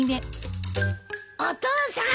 ・お父さん！